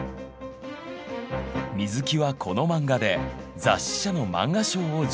水木はこのマンガで雑誌社の漫画賞を受賞。